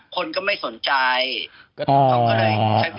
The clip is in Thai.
คนก็ไม่สนใจจะพอคำว่าหนิ